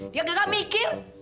dia nggak mikir